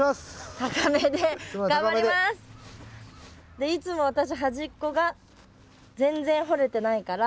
でいつも私端っこが全然掘れてないから。